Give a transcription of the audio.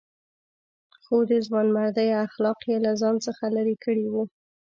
خو د ځوانمردۍ اخلاق یې له ځان څخه لرې کړي وو.